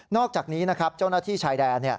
นอกจากนี้ครับเจ้าน่าที่ชายแดง